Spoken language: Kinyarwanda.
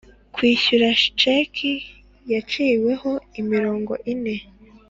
Kwishyura sheki yaciweho imirongo ine